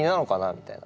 みたいな。